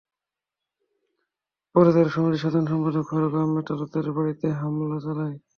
পরে তারা সমিতির সাধারণ সম্পাদক ফারুক আহম্মদ তালুকদারের বাড়িতেও হামলা চালায়।